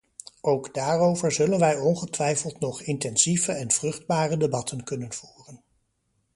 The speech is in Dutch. Ook daarover zullen wij ongetwijfeld nog intensieve en vruchtbare debatten kunnen voeren.